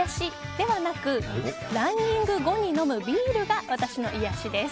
ではなく、ランニング後に飲むビールが私の癒やしです。